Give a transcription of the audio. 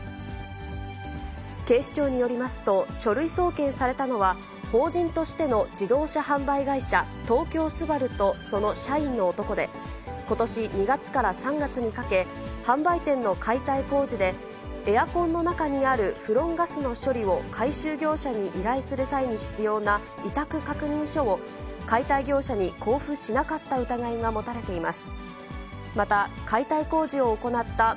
警視庁によりますと、書類送検されたのは、法人としての自動車販売会社、東京スバルと、その社員の男で、ことし２月から３月にかけ、販売店の解体工事で、エアコンの中にあるフロンガスの処理を回収業者に依頼する際に必要な委託確認書を、解体業者に交付しなかった疑いが持たれています。